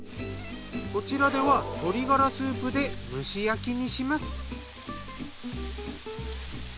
こちらでは鶏ガラスープで蒸し焼きにします。